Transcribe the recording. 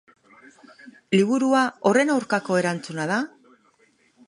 Liburua horren aurkako erantzuna da?